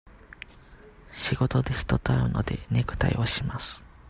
仕事で人と会うので、ネクタイをします。